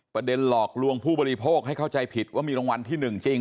หลอกลวงผู้บริโภคให้เข้าใจผิดว่ามีรางวัลที่๑จริง